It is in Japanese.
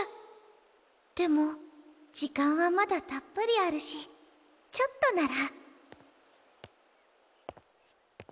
でも時間はまだたっぷりあるしちょっとなら。